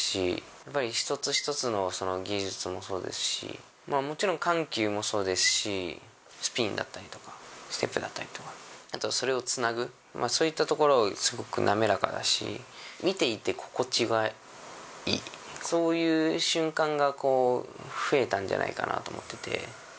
やっぱり一つ一つの技術もそうですし、もちろん緩急もそうですし、スピンだったりとか、ステップだったりとか、あとそれをつなぐ、そういったところ、すごく滑らかだし、見ていて心地がいい、そういう瞬間が増えたんじゃないかなと思ってて。